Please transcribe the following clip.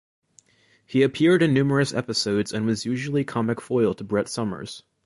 He appeared in numerous episodes and was usually comic foil to Brett Somers.